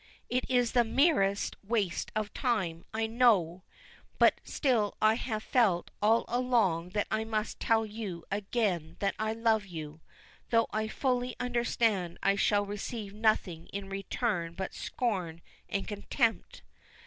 It is the merest waste of time, I know; but still I have felt all along that I must tell you again that I love you, though I fully understand I shall receive nothing in return but scorn and contempt.